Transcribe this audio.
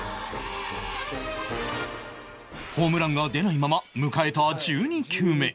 ホームランが出ないまま迎えた１２球目